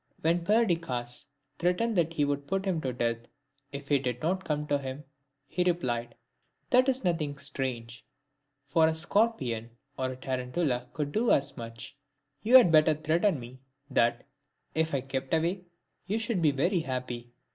* When Perdiccas threatened that he would put him to death if he did not come to him, he replied, "That is nothing strange, for a scorpion or a tarantula could do as much : you had better threaten me that, if I kept away, you should be very happy."